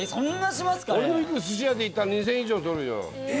俺の行くすし屋でいったら２，０００円以上取るよ。